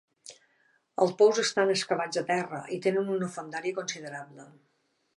Els pous estan excavats a terra i tenen una fondària considerable.